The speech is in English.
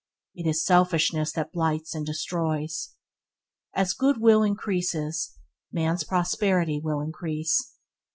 It is selfishness that blights and destroys. As goodwill increases, man's prosperity will increase.